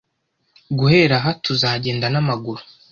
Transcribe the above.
Guhera aha, tuzagenda n'amaguru.